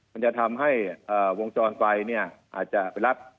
มันจะทำให้วงจรไฟเนี่ยอาจจะไปรับ